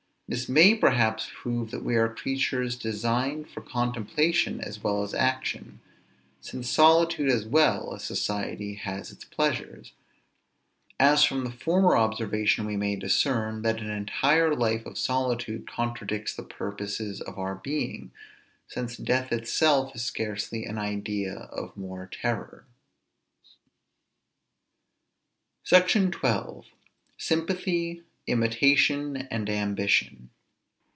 This may perhaps prove that we are creatures designed for contemplation as well as action; since solitude as well as society has its pleasures; as from the former observation we may discern, that an entire life of solitude contradicts the purposes of our being, since death itself is scarcely an idea of more terror. SECTION XII. SYMPATHY, IMITATION, AND AMBITION.